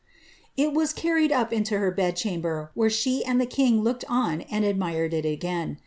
It was carried up into her led chamber, where she and the king looked on and admired it again.